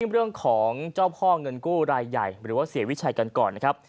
เรื่องของเจ้าพ่อเงินกู้รายใหญ่หรือว่าเสียวิชัยกันก่อนนะครับ